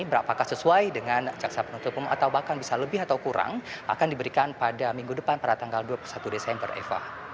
berapakah sesuai dengan jaksa penutup umum atau bahkan bisa lebih atau kurang akan diberikan pada minggu depan pada tanggal dua puluh satu desember eva